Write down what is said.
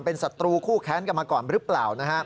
เป็นศัตรูคู่แค้นกันมาก่อนหรือเปล่า